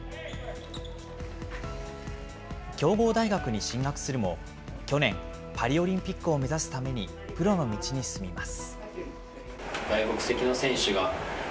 強豪大学に進学するも、去年、パリオリンピックを目指すためにプロの道に進みます。